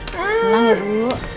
tenang ya ibu